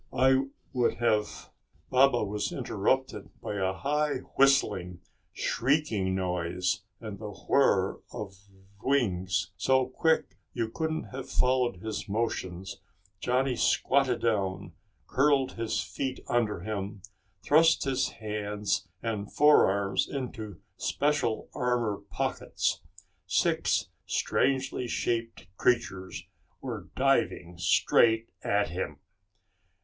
I would have " Baba was interrupted by a high whistling, shrieking noise, and the whir of wings. So quick you couldn't have followed his motions, Johnny squatted down, curled his feet under him, thrust his hands and forearms into special armor pockets. Six strangely shaped creatures were diving straight at him.